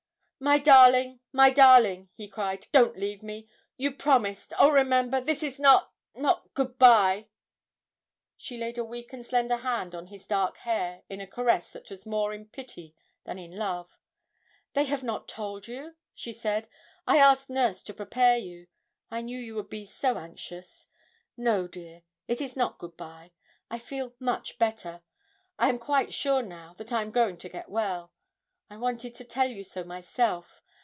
'My darling my darling!' he cried, 'don't leave me ... you promised oh, remember ... this is not not good bye!' She laid a weak and slender hand on his dark hair in a caress that was more in pity than in love. 'They have not told you?' she said; 'I asked nurse to prepare you. I knew you would be so anxious. No, dear, it is not good bye. I feel much better, I am quite sure now that I am going to get well. I wanted to tell you so myself.